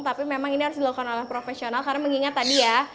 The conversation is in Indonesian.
tapi memang ini harus dilakukan oleh profesional karena mengingat tadi ya